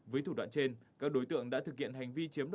với thủ đoạn trên các đối tượng đã thực hiện